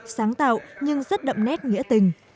sáng tạo nhưng rất đậm nét nghĩa tình